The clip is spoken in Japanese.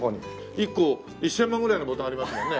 １個１０００万ぐらいのボタンありますもんね？